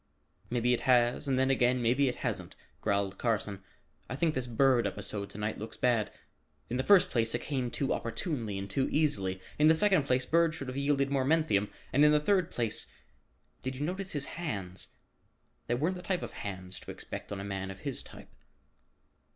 "Maybe it has and then again maybe it hasn't," growled Carson. "I think this Bird episode to night looks bad. In the first place, it came too opportunely and too easily. In the second place Bird should have yielded more menthium, and in the third place, did you notice his hands? They weren't the type of hands to expect on a man of his type."